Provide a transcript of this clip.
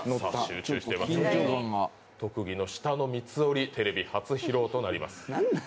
特技の舌の三つ折りテレビ初披露となります。